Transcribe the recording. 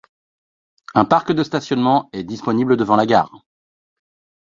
Un parc de stationnement est disponible devant la gare.